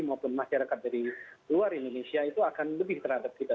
maupun masyarakat dari luar indonesia itu akan lebih terhadap kita